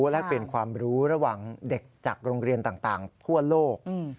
และเป็นความรู้ระหว่างเด็กจากโรงเรียนต่างทั่วโลก